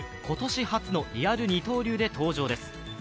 今年初のリアル二刀流で登場です。